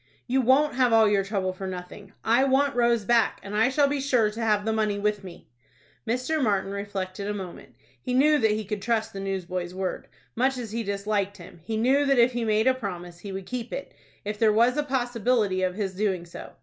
"You won't have all your trouble for nothing. I want Rose back, and I shall be sure to have the money with me." Mr. Martin reflected a moment. He knew that he could trust the newsboy's word. Much as he disliked him, he knew that if he made a promise he would keep it, if there was a possibility of his doing so.